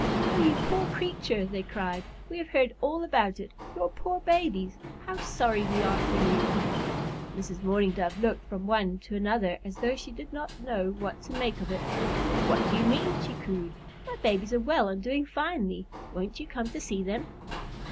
"Oh, you poor creature!" they cried. "We have heard all about it. Your poor babies! How sorry we are for you!" Mrs. Mourning Dove looked from one to another as though she did not know what to make of it. "What do you mean?" she cooed. "My babies are well and doing finely. Won't you come to see them?"